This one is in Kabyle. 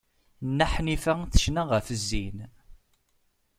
Nna Ḥnifa tecna ɣef zzin.